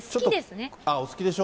お好きでしょ？